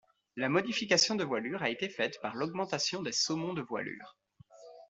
La modification de voilure a été faite par l'augmentation des saumons de voilure.